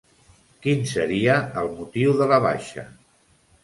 Quin seria el motiu de la baixa?